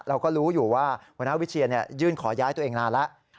เราก็รู้อยู่ว่าหัวหน้าวิเชียนยื่นขอย้ายตัวเองนานแล้ว